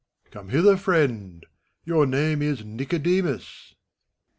'Come hither, Friend! Your name is Nicodemns. FAMULUS.